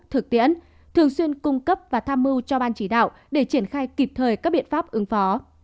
thực tiễn thường xuyên cung cấp và tham mưu cho ban chỉ đạo để triển khai kịp thời các biện pháp ứng phó